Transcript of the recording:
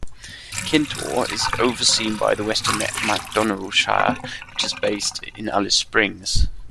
Kintore is overseen by the Western MacDonnell Shire, which is based in Alice Springs.